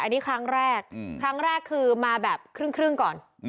อันนี้ครั้งแรกครั้งแรกคือมาแบบครึ่งก่อน